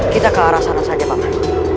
kita ke arah sana saja bapak